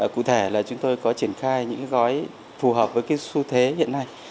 cụ thể là chúng tôi có triển khai những gói phù hợp với dịch vụ